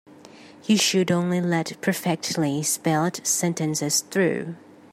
You should only let perfectly spelled sentences through.